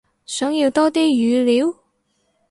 想要多啲語料？